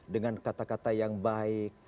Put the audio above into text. dengan kata kata yang baik